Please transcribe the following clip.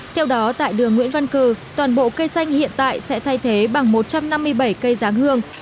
theo đó tại đường nguyễn văn cử toàn bộ cây xanh hiện tại sẽ thay thế bằng một trăm năm mươi bảy cây giáng hương